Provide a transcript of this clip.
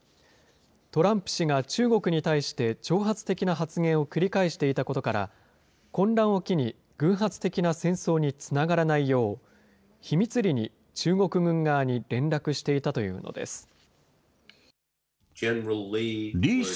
トランプ氏が中国に対して、挑発的な発言を繰り返していたことから、混乱を機に偶発的な戦争につながらないよう、秘密裏に中国軍側に連絡していたというのです。